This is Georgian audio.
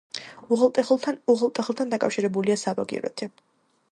უღელტეხილთან დაკავშირებულია საბაგიროთი.